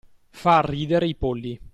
Far ridere i polli.